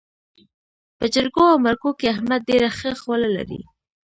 په جرګو او مرکو کې احمد ډېره ښه خوله لري.